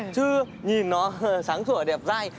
chứ nhìn nó sáng sủa đẹp dai